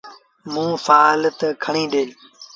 موݩ سآل تا کڻي ڏي۔